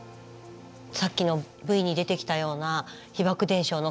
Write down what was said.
さっきのＶに出てきたような被爆伝承の課題。